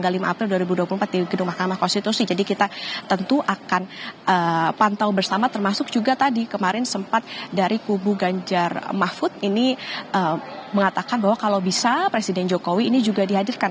tanggal lima april dua ribu dua puluh empat di gedung mahkamah konstitusi jadi kita tentu akan pantau bersama termasuk juga tadi kemarin sempat dari kubu ganjar mahfud ini mengatakan bahwa kalau bisa presiden jokowi ini juga dihadirkan